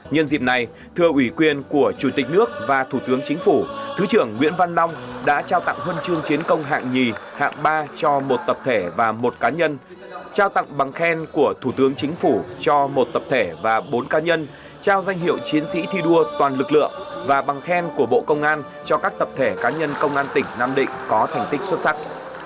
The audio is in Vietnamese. nhân dịp này thưa ủy quyền của chủ tịch nước và thủ tướng chính phủ thứ trưởng nguyễn văn long đã trao tặng huân chương chiến công hạng hai hạng ba cho một tập thể và một cá nhân trao tặng bằng khen của thủ tướng chính phủ cho một tập thể và bốn cá nhân trao danh hiệu chiến sĩ thi đua toàn lực lượng và bằng khen của bộ công an cho các tập thể cá nhân công an tỉnh nam định có thành tích xuất sắc